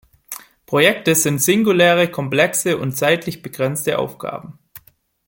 Projekte sind singuläre, komplexe und zeitlich begrenzte Aufgaben.